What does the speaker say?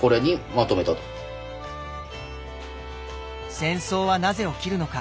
戦争はなぜ起きるのか。